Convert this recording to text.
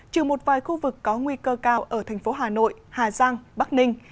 trừ một vài khu vực có nguy cơ cao ở thành phố hà nội hà giang bắc ninh